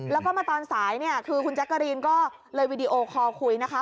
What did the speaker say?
แล้วก็มาตอนสายเนี่ยคือคุณแจ๊กกะรีนก็เลยวีดีโอคอลคุยนะคะ